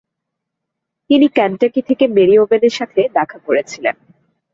তিনি কেন্টাকি থেকে মেরি ওভেনের সাথে দেখা করেছিলেন।